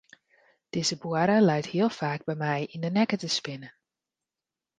Dizze boarre leit hiel faak by my yn de nekke te spinnen.